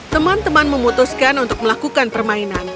teman teman memutuskan untuk melakukan permainan